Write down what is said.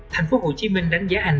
thành phố hồ chí minh đánh giá hành